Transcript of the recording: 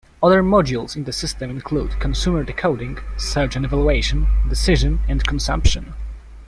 Other modules in the system include, consumer decoding, search and evaluation, decision, and consumption.